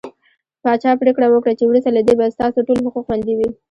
پاچا پرېکړه وکړه چې وروسته له دې به ستاسو ټول حقوق خوندي وي .